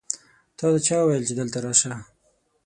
تاته چا وویل چې دلته راشه؟